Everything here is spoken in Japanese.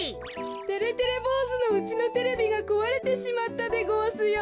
てれてれぼうずのうちのテレビがこわれてしまったでごわすよ。